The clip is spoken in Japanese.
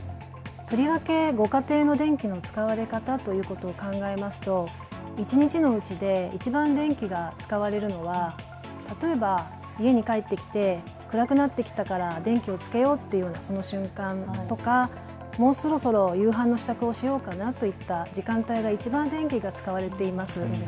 とりわけご家庭の電気の使われ方ということを考えますと一日のうちでいちばん電気が使われるのは例えば家に帰ってきて暗くなってきたから電気をつけようというような瞬間とかもうそろそろ夕飯の支度をしようかなといった時間帯がいちばん電気が使われています。